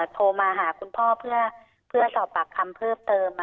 โทรมาหาคุณพ่อเพื่อสอบปากคำเพิ่มเติม